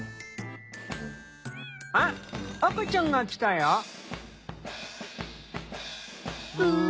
あっ赤ちゃんが来たよ。ぶん。